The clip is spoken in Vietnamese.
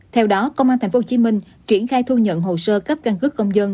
theo đó công an tp hcm triển khai thu nhận hồ sơ cấp căn cứ công dân